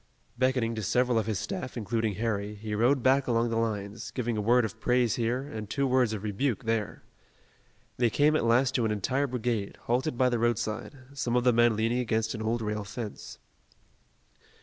Beckoning to several of his staff, including Harry, he rode back along the lines, giving a word of praise here and two words of rebuke there. They came at last to an entire brigade, halted by the roadside, some of the men leaning against an old rail fence.